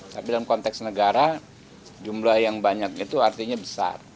tapi dalam konteks negara jumlah yang banyak itu artinya besar